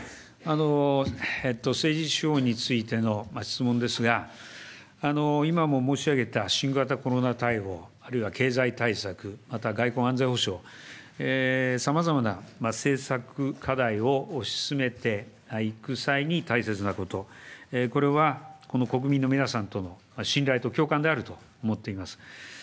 政治手法についての質問ですが、今も申し上げた新型コロナ対応、あるいは経済対策、また外交安全保障、さまざまな政策課題を推し進めていく際に大切なこと、これは、この国民の皆さんとの信頼と共感であると思っています。